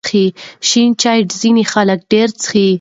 شین چای ځینې خلک ډېر څښي.